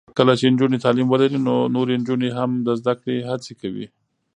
کله چې نجونې تعلیم ولري، نو نورې نجونې هم د زده کړې هڅې کوي.